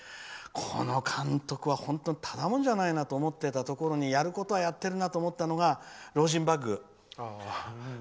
この監督は本当にただ者じゃないなと思っていた時やることはやってるなと思ったのがロージンバッグ。